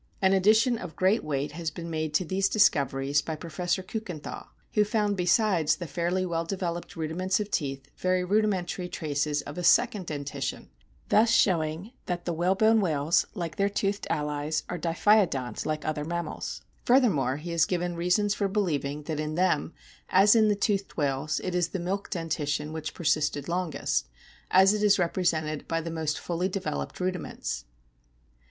An addition of great weight has been made to these discoveries by Pro fessor Klikenthal, who found besides the fairly well developed rudiments of teeth very rudimentary traces of a second dentition, thus showing that the whale bone whales, like their toothed allies, are diphyodont like other mammals. Furthermore, he has given reasons for believing that in them, as in the toothed whales, it is the milk dentition which persisted longest, as it is represented by the most fully developed rudi ments.